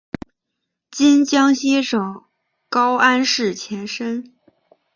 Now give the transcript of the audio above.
今江西省高安市前身。